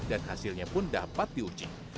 dan hasilnya pun dapat diuji